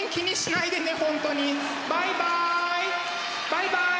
バイバイ！